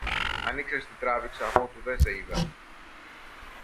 Αν ήξερες τι τράβηξα αφότου δε σε είδα!